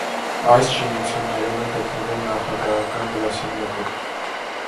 Այս շինություններում է գտնվում նախագահական գրասենյակը։